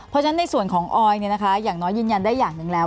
เพราะฉะนั้นในส่วนของออยอย่างน้อยยืนยันได้อย่างหนึ่งแล้ว